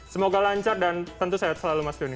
semoga lancar dan tentu sehat selalu mas doni